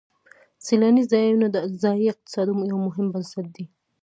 سیلاني ځایونه د ځایي اقتصادونو یو مهم بنسټ دی.